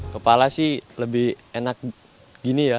kepala sih mungkin lebih enak begini ya